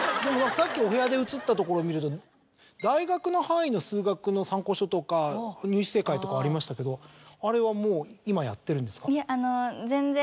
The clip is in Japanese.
さっきお部屋で映ったところ見ると大学の範囲の数学の参考書とか入試正解とかありましたけどあれはもう。